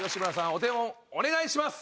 お手本お願いします。